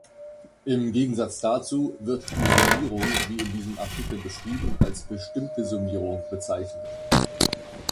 Im Gegensatz dazu, wird die Summierung wie in diesem Artikel beschrieben als „bestimmte Summierung“ bezeichnet.